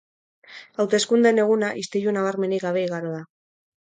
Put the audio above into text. Hauteskundeen eguna istilu nabarmenik gabe igaro da.